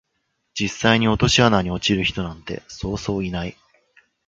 実際に落とし穴に落ちる人なんてそうそういない